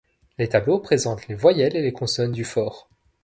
Les tableaux présentent les voyelles et les consonnes du fore.